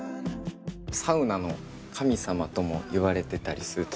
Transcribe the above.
サウナの神様ともいわれてたりする「トントゥ」。